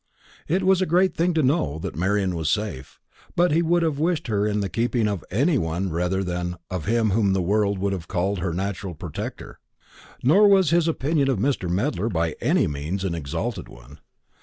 It was a great thing to know that Marian was safe; but he would have wished her in the keeping of any one rather than of him whom the world would have called her natural protector. Nor was his opinion of Mr. Medler by any means an exalted one.